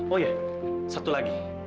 oh iya satu lagi